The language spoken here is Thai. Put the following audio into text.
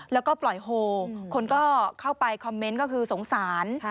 แล้วก็ปล่อยโฮคนก็เข้าไปคอมเมนต์ก็คือสงสาร